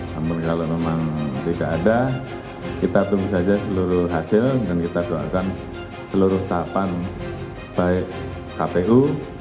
namun kalau memang tidak ada kita tunggu saja seluruh hasil dan kita doakan seluruh tahapan baik kpu